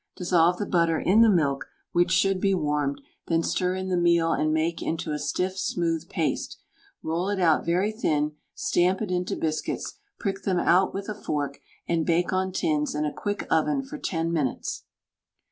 Dissolve the butter in the milk, which should be warmed, then stir in the meal and make into a stiff, smooth paste, roll it out very thin, stamp it into biscuits, prick them out with a fork, and bake on tins in a quick oven for 10 minutes.